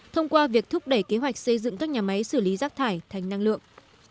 thông qua việc thúc đẩy kế hoạch xây dựng các nhà máy xử lý rác thải thành năng lượng